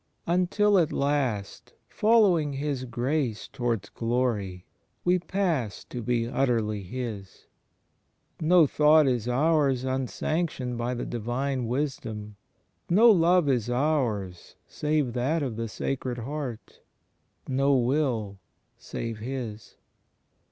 Until at last, following His grace towards glory, we pass to be utterly His. No thought is ours unsanctioned by the Divine Wisdom; no love is ours save that of the Sacred Heart; no will save His.